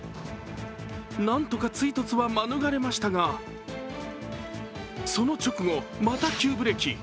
なんとか追突は免れましたがその直後、また急ブレーキ。